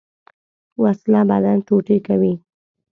وسله بدن ټوټې کوي